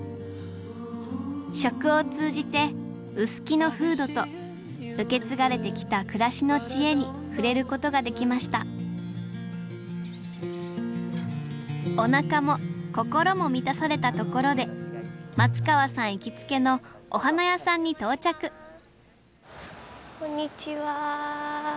食を通じて臼杵の風土と受け継がれてきた暮らしの知恵に触れることができましたおなかも心も満たされたところで松川さん行きつけのお花屋さんに到着こんにちは。